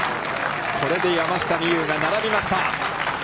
これで山下美夢有が並びました。